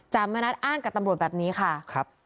จ่ามนัดอ้างกับตำรวจแบบนี้ค่ะ